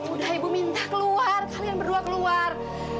udah ibu minta keluar kalian berdua keluar